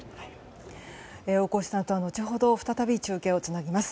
大越さんとは後ほど再び中継をつなぎます。